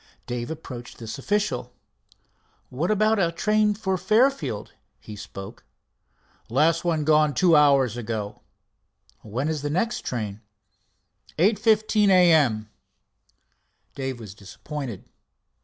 Dave approached this official. "What about a train for Fairfield?" he spoke. "Last one gone two hours ago." "When is the next train?" "8:15 A. M." Dave was disappointed.